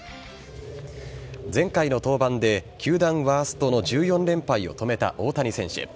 前回の登板で球団ワーストの１４連敗を止めた大谷選手。